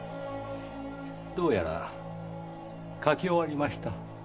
どうやら描き終わりました。